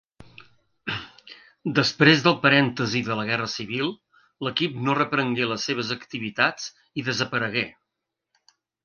Després del parèntesi de la Guerra Civil l'equip no reprengué les seves activitats i desaparegué.